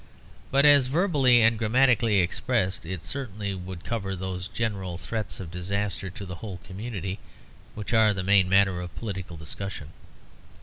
But as verbally and grammatically expressed, it certainly would cover those general threats of disaster to the whole community which are the main matter of political discussion.